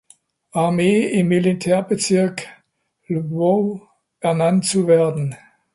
Armee im Militärbezirk Lwow ernannt zu werden.